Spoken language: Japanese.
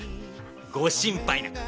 ご心配なく。